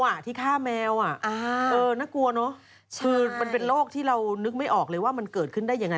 ที่ฆ่าแมวน่ากลัวเนอะคือมันเป็นโรคที่เรานึกไม่ออกเลยว่ามันเกิดขึ้นได้ยังไง